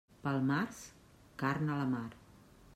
Pel març, carn a la mar.